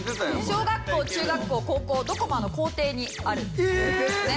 小学校中学校高校どこも校庭にあるんですね。